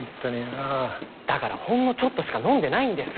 だからほんのちょっとしか飲んでないんですって。